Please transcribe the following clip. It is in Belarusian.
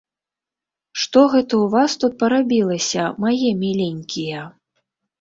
Што гэта ў вас тут парабілася, мае міленькія?